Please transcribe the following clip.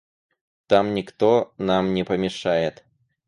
Там никто нам не помешает».